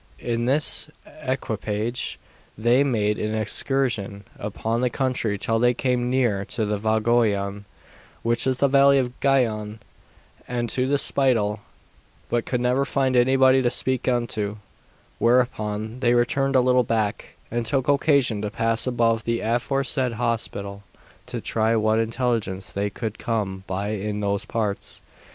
In this equipage they made an excursion upon the country till they came near to the Vauguyon, which is the valley of Guyon, and to the spital, but could never find anybody to speak unto; whereupon they returned a little back, and took occasion to pass above the aforesaid hospital to try what intelligence they could come by in those parts.